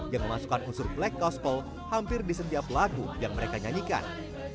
yang memasukkan unsur black gospel hampir di setiap lagu yang mereka nyanyikan